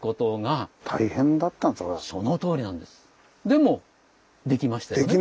でもできましたよね。